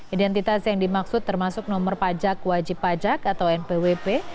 identitas yang dimaksud termasuk nomor pajak wajib pajak atau npwp